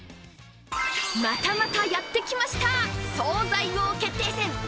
またまたやってきました、総菜王決定戦。